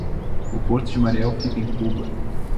O Porto de Mariel fica em Cuba